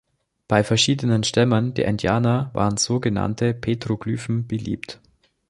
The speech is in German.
Bei verschiedenen Stämmen der Indianer waren so genannte Petroglyphen beliebt.